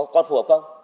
còn phù hợp không